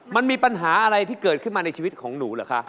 มันมีปัญหาอะไรที่เกิดขึ้นมาในชีวิตของหนูเหรอคะ